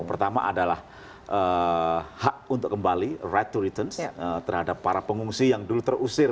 pertama adalah hak untuk kembali right to return terhadap para pengungsi yang dulu terusir